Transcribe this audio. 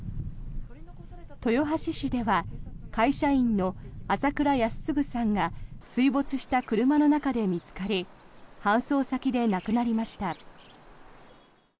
豊橋市では会社員の朝倉泰嗣さんが水没した車の中で見つかり搬送先で亡くなりました。